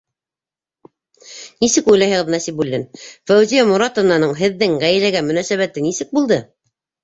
Нисек уйлайһығыҙ, Насибуллин: Фәүзиә Моратованың һеҙҙең ғаиләгә мөнәсәбәте нисек булды?